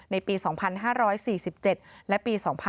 ในปี๒๕๔๗และปี๒๕๕๙